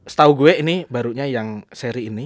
setahu gue ini barunya yang seri ini